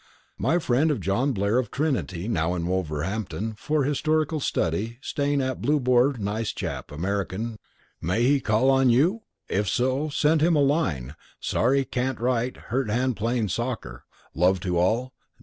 My friend John Blair of Trinity now in Wolverhampton for historical study staying at Blue Boar nice chap American may he call on you if so send him a line sorry can't write hurt hand playing soccer love to all.